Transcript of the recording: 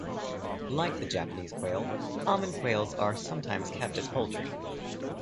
Like the Japanese quail, common quails are sometimes kept as poultry.